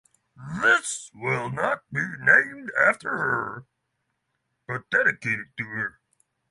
This will not be named after her, but dedicated to her.